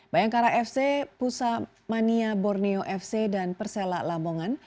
bayangkara fc pusat mania borneo fc dan persela lambongan